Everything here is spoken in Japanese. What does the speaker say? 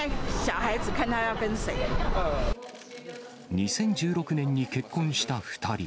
２０１６年に結婚した２人。